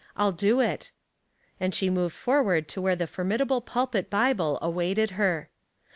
I'll do it." And she moved forward to where the formidable pulpit Bible awaited her.